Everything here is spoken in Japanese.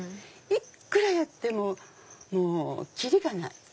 いっくらやっても切りがない。